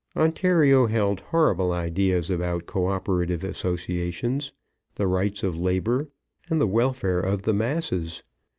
Ontario held horrible ideas about co operative associations, the rights of labour, and the welfare of the masses.